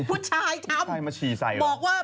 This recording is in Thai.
ผู้ชายทำบอกว่า